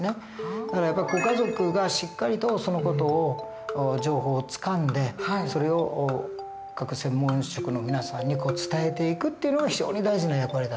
だからやっぱりご家族がしっかりとその事を情報をつかんでそれを各専門職の皆さんに伝えていくっていうのが非常に大事な役割だと思うんです。